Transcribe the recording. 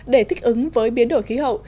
để thích ứng với biến đổi khí hậu